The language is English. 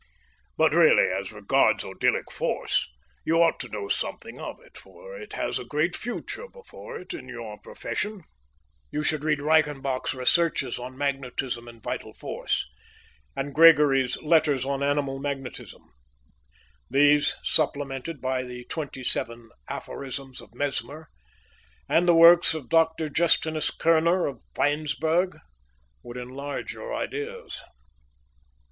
But, really, as regards odyllic force, you ought to know something of it, for it has a great future before it in your profession. You should read Reichenbach's 'Researches on Magnetism and Vital Force,' and Gregory's 'Letters on Animal Magnetism.' These, supplemented by the twenty seven Aphorisms of Mesmer, and the works of Dr. Justinus Kerner, of Weinsberg, would enlarge your ideas."